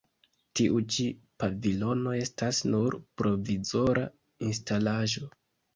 Tiu ĉi pavilono estas nur provizora instalaĵo.